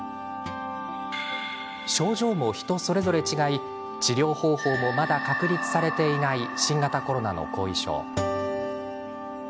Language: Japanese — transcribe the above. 症状も人それぞれ違い治療方法もまだ確立されていない新型コロナの後遺症。